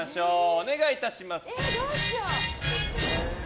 お願いいたします。